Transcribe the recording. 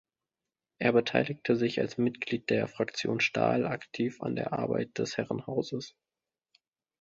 Er beteiligte sich als Mitglied der Fraktion Stahl aktiv an der Arbeit des Herrenhauses.